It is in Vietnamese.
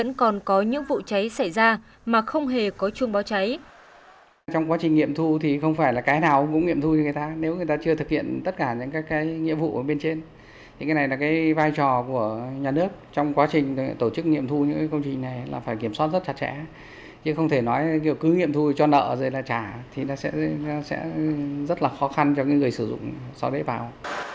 trong quá trình tổ chức nghiệm thu những công trình này là phải kiểm soát rất chặt chẽ nhưng không thể nói cứ nghiệm thu cho nợ rồi là trả thì sẽ rất là khó khăn cho người sử dụng sau đấy vào